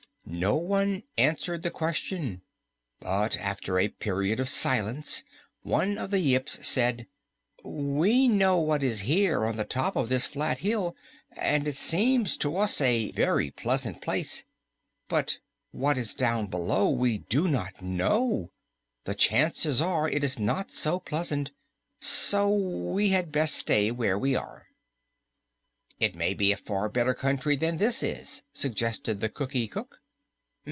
No one answered the question, but after a period of silence one of the Yips said, "We know what is here on the top of this flat hill, and it seems to us a very pleasant place, but what is down below we do not know. The chances are it is not so pleasant, so we had best stay where we are." "It may be a far better country than this is," suggested the Cookie Cook.